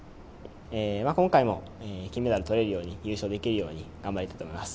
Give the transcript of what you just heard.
今回も金メダルをとれるように、優勝できるように頑張りたいと思います。